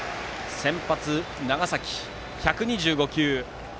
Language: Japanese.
先発の長崎、１２５球。